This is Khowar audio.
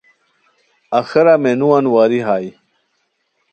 آخرا مینووان واری ہائے